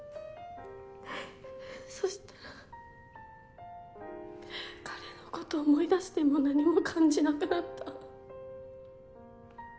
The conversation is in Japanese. そしたら彼のこと思い出しても何も感じなくなった。